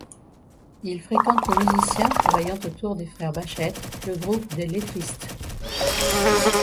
Il fréquente les musiciens, travaillant autour des frères Baschet, le Groupe des Lettristes.